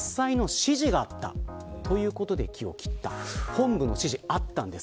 本部の指示があったようです。